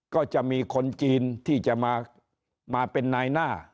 ก็จะมีคนจีนที่จะมาเป็นนายหน้า